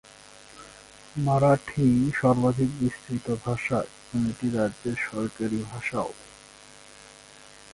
মারাঠি সর্বাধিক বিস্তৃত ভাষা এবং এটি রাজ্যের সরকারী ভাষাও।